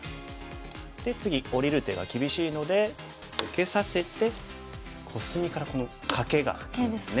で次下りる手が厳しいので受けさせてコスミからこのカケがいいですね。